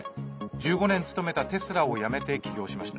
１５年勤めたテスラを辞めて起業しました。